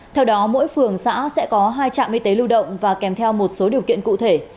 theo đó mỗi phường xã sẽ có hai trạm y tế lưu động và kèm theo một số điều kiện cụ thể